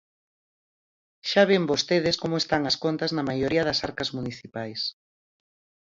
Xa ven vostedes como están as contas na maioría das arcas municipais.